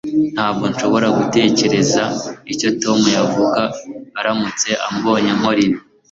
Ntabwo nshobora gutekereza icyo Tom yavuga aramutse ambonye nkora ibi